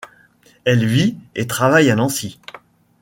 Elle vit et travaille à Nancy.